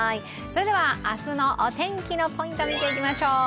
明日のお天気のポイント見ていきましょう。